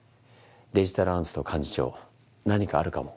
デジタルアンツと幹事長何かあるかも。